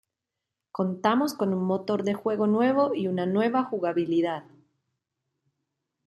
Contamos con un motor de juego nuevo y nueva jugabilidad.